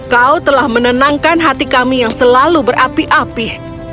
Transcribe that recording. kau telah menenangkan hati kami yang selalu berapi api